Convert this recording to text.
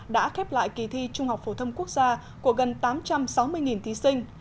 đã khép lại kỳ thi trung học phổ thông quốc gia của gần tám trăm sáu mươi thí sinh